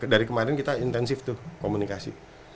dari kemarin kita intensif tuh komunikasi